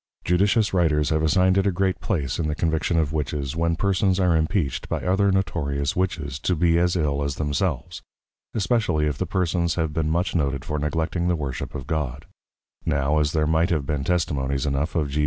Judicious Writers have assigned it a great place in the Conviction of Witches, _when Persons are Impeached by other notorious Witches, to be as ill as themselves; especially, if the Persons have been much noted for neglecting the Worship of God_. Now, as there might have been Testimonies enough of _G.